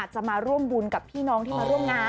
จะมาร่วมบุญกับพี่น้องที่มาร่วมงาน